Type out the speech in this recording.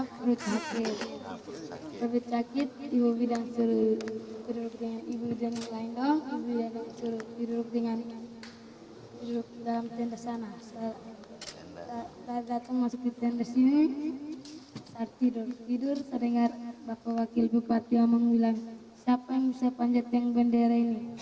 kewakil bupat dia mengulang siapa yang bisa panjat yang bendera ini